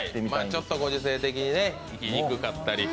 ちょっとご時世的に行きにくかったり。